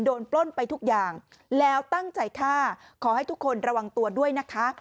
ปล้นไปทุกอย่างแล้วตั้งใจฆ่าขอให้ทุกคนระวังตัวด้วยนะคะ